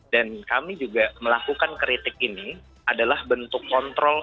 dan kami juga melakukan kritik ini adalah bentuk kontrol